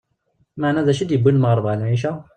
Maɛna d acu d-yewwin lmeɣreb ɣer lɛica ?